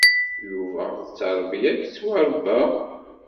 Yuba d tteṛbeyya ay d-yettwaṛebba?